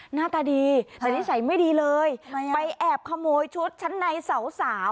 หน้าตาดีแต่นิสัยไม่ดีเลยไปแอบขโมยชุดชั้นในสาว